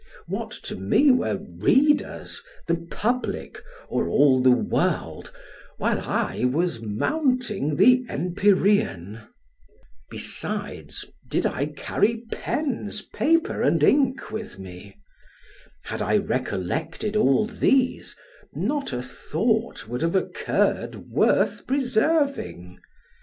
What to me were readers, the public, or all the world, while I was mounting the empyrean. Besides, did I carry pens, paper and ink with me? Had I recollected all these, not a thought would have occurred worth preserving.